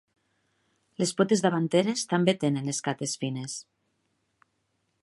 Les potes davanteres també tenen escates fines.